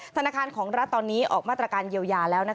ธนาคารของรัฐตอนนี้ออกมาตรการเยียวยาแล้ว